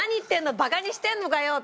「バカにしてんのかよ」って。